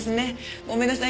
ごめんなさい